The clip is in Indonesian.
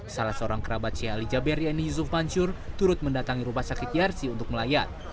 salah seorang kerabat si ali jaber yeni yusuf mansur turut mendatangi rumah sakit yarsi untuk melayat